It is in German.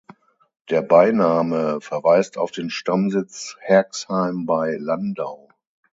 Der Beiname verweist auf den Stammsitz Herxheim bei Landau.